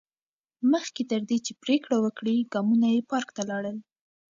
مخکې تر دې چې پرېکړه وکړي، ګامونه یې پارک ته لاړل.